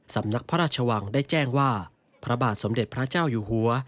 สำนักพระราชวังได้แจ้งว่าพระบาทสมเด็จพระเจ้าอยู่หัว